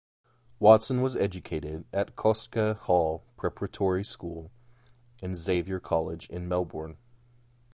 Watson was educated at Kostka Hall preparatory school and Xavier College in Melbourne.